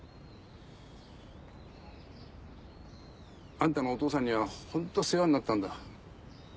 あんたのお父さんにはホント世話になったんだ。